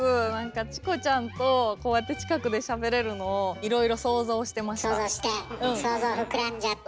チコちゃんとこうやって近くでしゃべれるのをいろいろ想像してました。